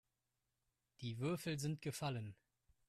Die Würfel sind gefallen.